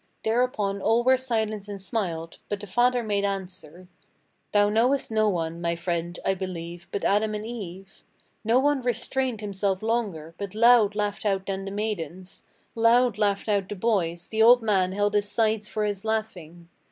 Thereupon all were silent and smiled; but the father made answer: 'Thou knowest no one, my friend, I believe, but Adam and Eve?' No one restrained himself longer, but loud laughed out then the maidens, Loud laughed out the boys, the old man held his sides for his laughing.